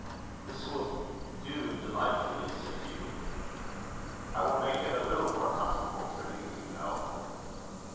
"This will do delightfully," said Hugh. "I will make it a little more comfortable for you, you know."